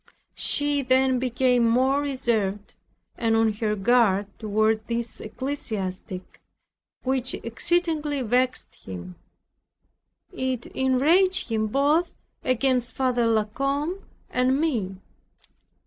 She then became more reserved, and on her guard, toward this ecclesiastic, which exceedingly vexed him. It enraged him both against Father La Combe and me.